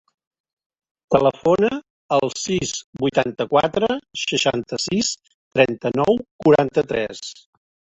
Telefona al sis, vuitanta-quatre, seixanta-sis, trenta-nou, quaranta-tres.